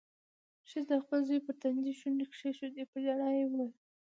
ښځې د خپل زوی پر تندي شونډې کېښودې. په ژړا کې يې وويل: